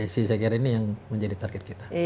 saya kira ini yang menjadi target kita